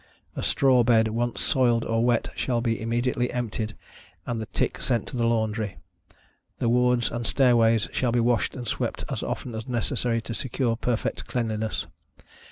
A straw bed once soiled or wet, shall be immediately emptied and the tick sent to the laundry. The wards and stair ways shall be washed and swept as often as necessary to secure perfect cleanliness.